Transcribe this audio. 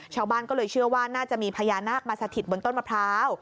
ชาวบ้านก็เลยเชื่อว่าน่าจะมีพญานาคมาสถิตบนต้นมะพร้าว